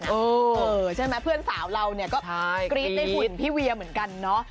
เพราะว่าเพื่อนสาวเราก็กรี๊ดในหุ่นพี่เวียเหมือนกันเนาะ